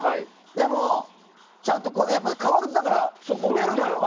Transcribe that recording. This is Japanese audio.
でも、ちゃんと革靴だから滑るのよ。